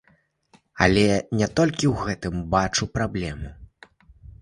Але не толькі ў гэтым бачу праблему.